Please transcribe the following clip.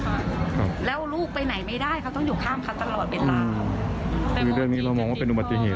ครับแล้วลูกไปไหนไม่ได้เขาต้องอยู่ข้างเขาตลอดเวลาครับคือเรื่องนี้เรามองว่าเป็นอุบัติเหตุ